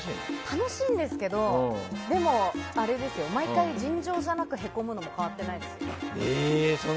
楽しいんですけどでも、毎回尋常じゃなくへこむのも変わってないですよ。